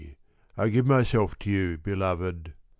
I give myself to you, Beloved!